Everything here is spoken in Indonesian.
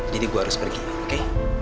jadi gue harus pergi oke